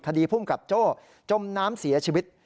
ภูมิกับโจ้จมน้ำเสียชีวิต